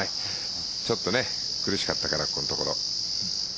ちょっと苦しかったからこのところ。